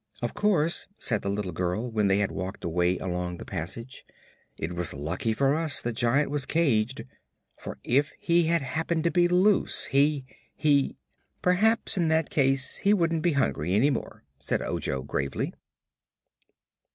"Of course," said the little girl, when they had walked a way along the passage, "it was lucky for us the Giant was caged; for, if he had happened to be loose, he he " "Perhaps, in that case, he wouldn't be hungry any more," said Ojo gravely.